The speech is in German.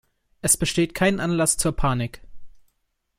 Es besteht kein Anlass zur Panik.